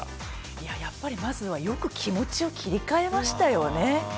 いや、やっぱり、まずはよく気持ちを切り替えましたよね。